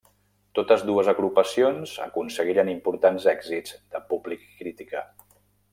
Totes dues agrupacions aconseguiren importants èxits de públic i crítica.